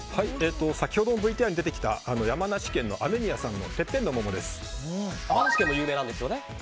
先ほどのＶＴＲに出てきた山梨県の雨宮さんの山梨県も有名なんですよね。